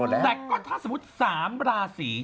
แต่ก็ถ้าสมมุติ๓ราศี